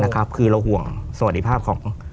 คือเราห่วงสวัสดิภาพของ